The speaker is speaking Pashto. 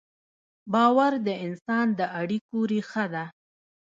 باور د انسان د اړیکو ریښه ده.